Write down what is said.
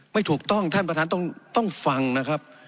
ไม่ถูกต้องท่านประธานต้องฟังนะครับ